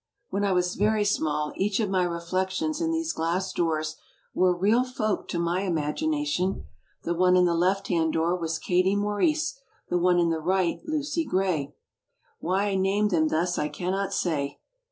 When I was very small each of my refleaions in these glass doors were "real folk" to my imagination. The one in the left hand door was Kade Maurice, the one in the right, Lucy Gray. Why I named them dius I cannot say.